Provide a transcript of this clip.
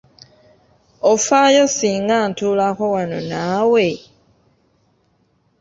Ofaayo singa ntuulako wano naawe?